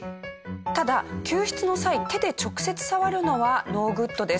ただ救出の際手で直接触るのはノーグッドです。